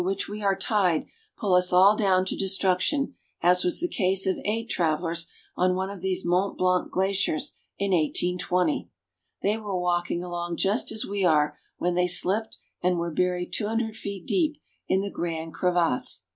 which we are tied pull us all down to destruction, as was the case of eight travelers on one of these Mont Blanc glaciers in 1820. They were walking along just as we are, when they slipped and were buried two hundred feet deep in the Grande Crevasse.